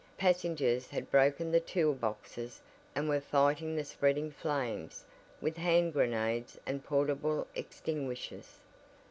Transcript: Passengers had broken the tool boxes and were fighting the spreading flames with hand grenades and portable extinguishers.